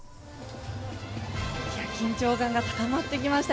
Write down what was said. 緊張感が高まってきました。